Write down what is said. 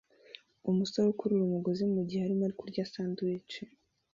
Umusore akurura umugozi mugihe arimo kurya sandwich